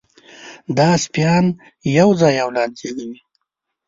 دا سپيان یو ځای اولاد زېږوي.